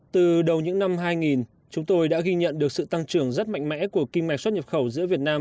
từ đầu những năm hai nghìn chúng tôi đã ghi nhận được sự tăng trưởng rất mạnh mẽ của kim mạch xuất nhập khẩu giữa việt nam